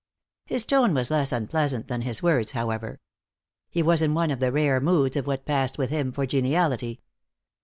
His tone was less unpleasant than his words, however. He was in one of the rare moods of what passed with him for geniality.